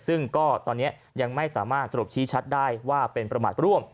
ซึ่งก็ตอนนี้ยังไม่สามารถสรุปชี้ชัดได้ว่าเป็นประมาทร่วม